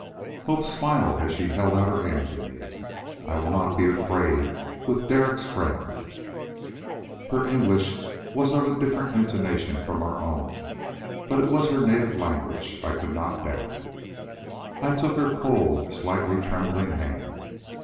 Hope smiled as she held out her hand to me. "I will not be afraid, with Derek's friend." Her English was of different intonation from our own, but it was her native language, I could not doubt. I took her cold, slightly trembling hand.